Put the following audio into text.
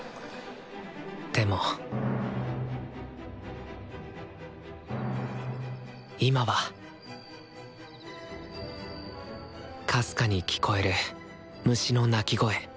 でも今はかすかに聴こえる虫の鳴き声。